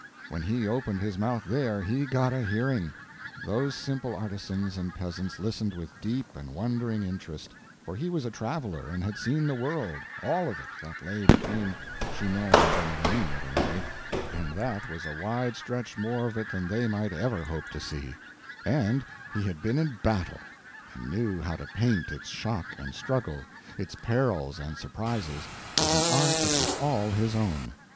When he opened his mouth there, he got a hearing. Those simple artisans and peasants listened with deep and wondering interest; for he was a traveler and had seen the world—all of it that lay between Chinon and Domremy, at any rate—and that was a wide stretch more of it than they might ever hope to see; and he had been in battle, and knew how to paint its shock and struggle, its perils and surprises, with an art that was all his own.